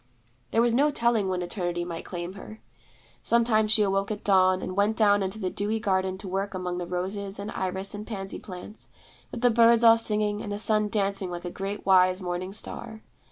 There was no telling when Eternity might claim her. Sometimes she awoke at dawn, and went down into the dewy garden to work among the roses and iris and pansy plants, with the birds all singing and the sun dancing like a great wise morning star.